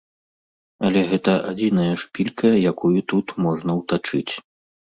Але гэта адзіная шпілька, якую тут можна ўтачыць.